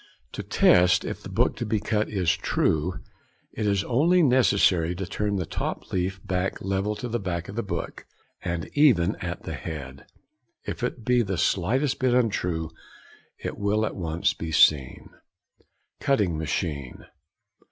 To test if the book be cut true it is only necessary to turn the top leaf back level to the back of the book and |65| even at the head; if it be the slightest bit untrue it will at once be seen. [Illustration: Cutting Machine.